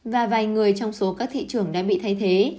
và vài người trong số các thị trường đã bị thay thế